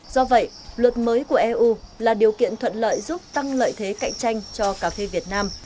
do vậy luật mới của eu là điều kiện thuận lợi giúp tăng lợi thế cạnh tranh cho cà phê việt nam